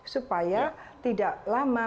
supaya tidak lama